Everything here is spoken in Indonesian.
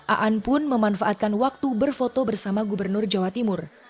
aan pun memanfaatkan waktu berfoto bersama gubernur jawa timur